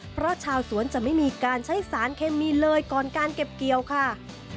เพราะชาวสวนจะไม่มีการใช้สารเคมีเลยก่อนการเก็บเกี่ยวค่ะ